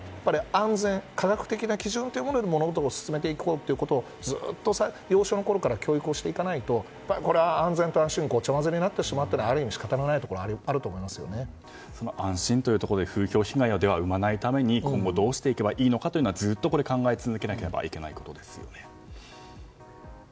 安全、科学的な基準ということで物事を進めていこうということをずっと幼少のころから教育していかないとこれは安全と安心がごちゃ混ぜになってしまうのはある意味仕方がないところは安心というところで風評被害を生まないために今後、どうしていけばいいのかはずっと考え続けなければいけないことですよね。